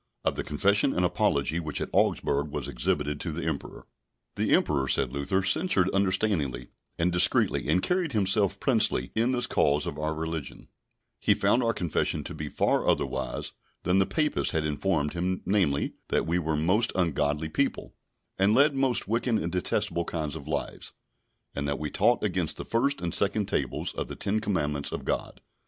Of the Confession and Apology which at Augsburg was exhibited to the emperor. The Emperor, said Luther, censured understandingly and discreetly, and carried himself princely in this cause of religion; he found our Confession to be far otherwise than the Papists had informed him—namely, that we were most ungodly people, and led most wicked and detestable kind of lives; and that we taught against the first and second tables of the Ten Commandments of God.